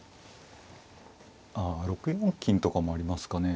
ああ６四金とかもありますかね。